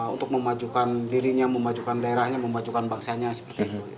untuk memajukan dirinya memajukan daerahnya memajukan bangsanya seperti itu